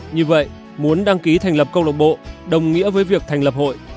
như vậy muốn đăng ký thành lập câu lạc bộ đồng nghĩa với việc thành lập hội